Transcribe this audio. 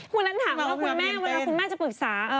คุณนั้นถามว่าคุณแม่เวลาคุณแม่จะปรึกษา